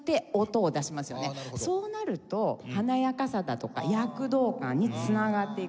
そうなると華やかさだとか躍動感に繋がっていく。